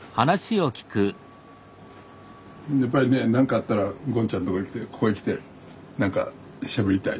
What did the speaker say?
やっぱりね何かあったらゴンちゃんのとこへ来てここへ来て何かしゃべりたい。